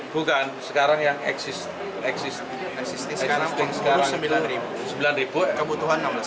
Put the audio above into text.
bukan sekarang yang eksis eksis